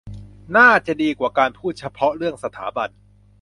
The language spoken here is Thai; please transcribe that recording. น่าจะดีกว่าการพูดเฉพาะเรื่องสถาบัน